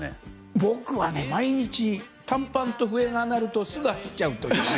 僕は毎日短パンと笛が鳴るとすぐ走っちゃうという。